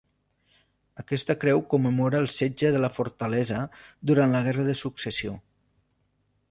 Aquesta creu commemora el setge de la fortalesa durant la Guerra de Successió.